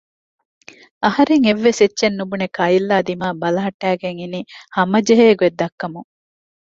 އަހަރެން އެއްވެސް އެއްޗެއް ނުބުނެ ކައިލްއާ ދިމާއަށް ބަލަހައްޓައިގެން އިނީ ހަމަޖެހޭ ގޮތް ދައްކަމުން